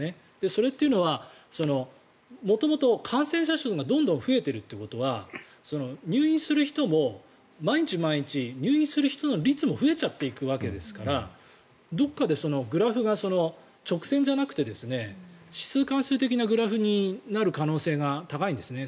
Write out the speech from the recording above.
それっていうのは元々感染者数がどんどん増えているというのは入院する人も毎日毎日入院する人の率も増えていってるわけですからどこかでグラフが直線じゃなくて指数関数的なグラフになる可能性が高いんですね。